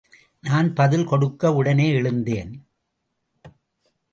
நான் பதில் கொடுக்க உடனே எழுந்தேன்.